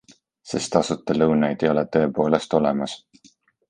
Sest tasuta lõunaid ei ole tõepoolest olemas.